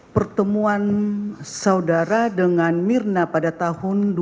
pertemuan saudara dengan mirna pada tahun dua ribu dua